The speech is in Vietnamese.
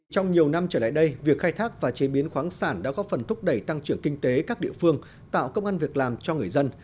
trong nhiều năm trở lại đây việc khai thác và chế biến khoáng sản đã có phần thúc đẩy tăng trưởng kinh tế các địa phương tạo công an việc làm cho người dân